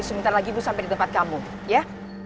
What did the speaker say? sebentar lagi ibu sampai di tempat kamu ya